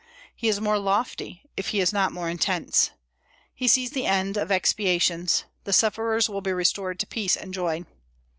He is more lofty, if he is not more intense. He sees the end of expiations: the sufferers will be restored to peace and joy.